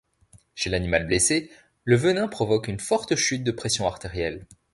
Chez l'animal blessé, le venin provoque une forte chute de pression artérielle.